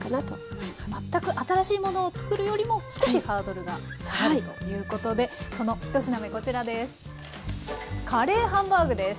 全く新しいものを作るよりも少しハードルが下がるということでその１品目こちらです。